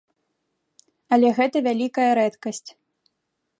Але гэта вялікая рэдкасць.